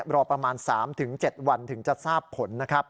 รอประมาณ๓๗วันถึงจะทราบผลนะครับ